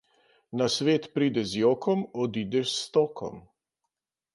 Na svet prideš z jokom, odideš s stokom.